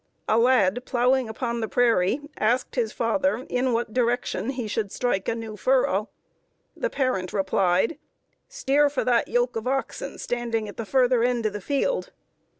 A lad, plowing upon the prairie, asked his father in what direction he should strike a new furrow. The parent replied, "Steer for that yoke of oxen standing at the further end of the field."